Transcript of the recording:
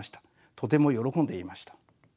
とても喜んでいました。